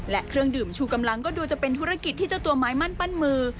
และเครื่องดื่มชูกำลังก็ดูจะเป็นธุรกิจที่เจ้าตัวไม้มั่นปั้นมือ